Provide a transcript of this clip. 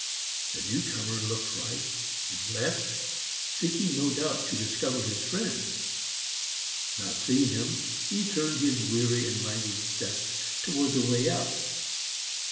The new comer looked right and left, seeking no doubt to discover his friend; not seeing him, he turned his weary and languid steps towards the way out.